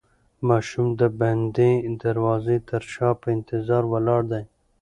ماشوم د بندې دروازې تر شا په انتظار ولاړ دی.